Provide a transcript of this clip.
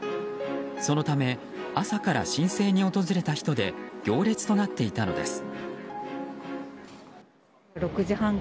そのため朝から申請に訪れた人で行列となっていたのです。